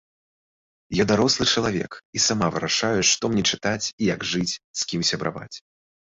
Я дарослы чалавек, і сама вырашаю, што мне чытаць, як жыць, з кім сябраваць.